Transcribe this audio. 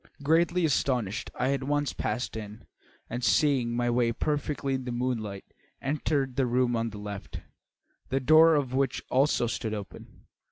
Greatly astonished, I at once passed in, and, seeing my way perfectly in the moonlight, entered the room on the left, the door of which also stood open.